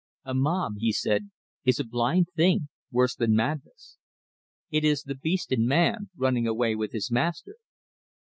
"A mob," he said, "is a blind thing, worse than madness. It is the beast in man running away with his master."